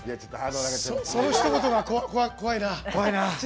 そのひと言が怖いな。